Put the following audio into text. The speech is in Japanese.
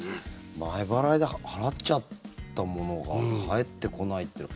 前払いで払っちゃったものが返ってこないっていうのは。